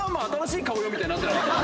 みたいになってなかった？